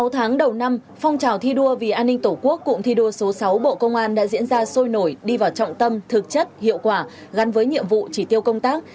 sáu tháng đầu năm phong trào thi đua vì an ninh tổ quốc cụm thi đua số sáu bộ công an đã diễn ra sôi nổi đi vào trọng tâm thực chất hiệu quả gắn với nhiệm vụ chỉ tiêu công tác